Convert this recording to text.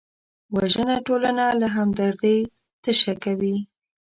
وژنه ټولنه له همدردۍ تشه کوي